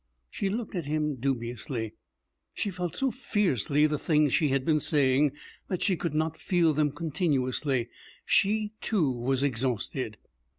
She looked at him dubiously. She felt so fiercely the things she had been saying that she could not feel them continuously. She, too, was exhausted.